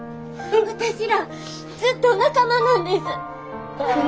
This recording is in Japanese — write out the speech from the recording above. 私らずっと仲間なんです。